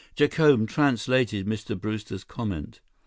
Jacome translated Mr. Brewster's comment.